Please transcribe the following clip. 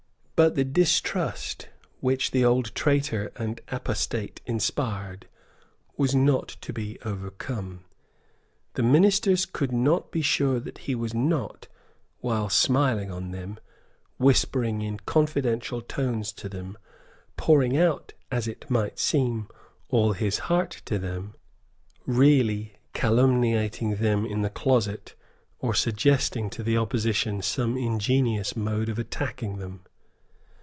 But the distrust which the old traitor and apostate inspired was not to be overcome. The ministers could not be sure that he was not, while smiling on them, whispering in confidential tones to them, pouring out, as it might seem, all his heart to them, really calumniating them in the closet or suggesting to the opposition some ingenious mode of attacking them.